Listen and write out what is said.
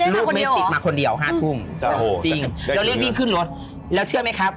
ลูกไม่ติดมาคนเดียว๕ทุ่มจริงแล้วรีบวิ่งขึ้นรถแล้วเชื่อไหมครับ